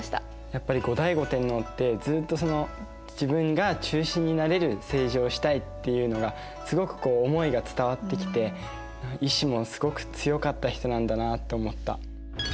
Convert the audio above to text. やっぱり後醍醐天皇ってずっとその自分が中心になれる政治をしたいっていうのがすごくこう思いが伝わってきて意志もすごく強かった人なんだなって思った。